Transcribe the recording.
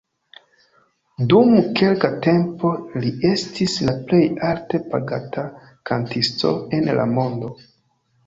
Dum kelka tempo li estis la plej alte pagata kantisto en la mondo.